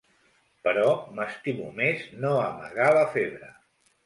Però m’estimo més no amagar la febre.